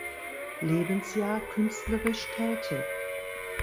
Lebensjahr künstlerisch tätig.